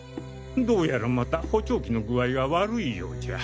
どうやらまた補聴器の具合が悪いようじゃ。